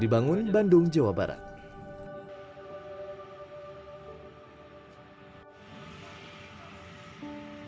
dibangun bandung jawa barat